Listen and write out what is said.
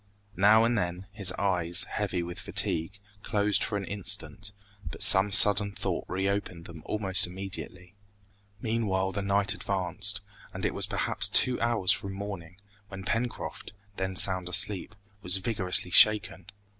Now and then, his eyes, heavy with fatigue, closed for an instant, but some sudden thought reopened them almost immediately. Meanwhile the night advanced, and it was perhaps two hours from morning, when Pencroft, then sound asleep, was vigorously shaken.